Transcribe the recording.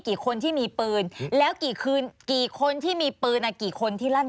กี่คนที่มีปืนแล้วกี่คืนกี่คนที่มีปืนอ่ะกี่คนที่ลั่น